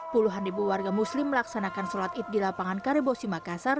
puluhan ribu warga muslim melaksanakan sholat id di lapangan karebosi makassar